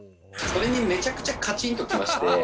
それにめちゃくちゃカチンときまして。